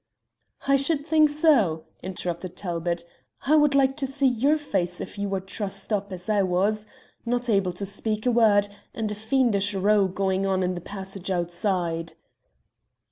"I should think so," interrupted Talbot. "I would like to see your face if you were trussed up as I was not able to speak a word and a fiendish row going on in the passage outside."